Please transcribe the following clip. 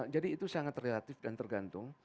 jadi itu sangat relatif dan tergantung